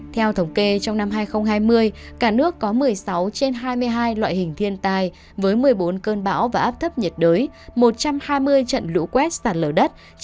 theo thống kê trong năm hai nghìn hai mươi cả nước có một mươi sáu trên hai mươi hai loại hình thiên tai với một mươi bốn cơn bão và áp thấp nhiệt đới một trăm hai mươi trận lũ quét sạt lở đất